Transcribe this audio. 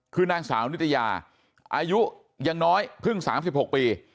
คือนางสาวนิตยาอายุยังน้อยเพิ่ง๓๖ปี